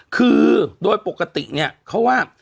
คือโดยปกติเนี่ยเขาว่า